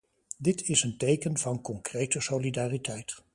Dit is een teken van concrete solidariteit.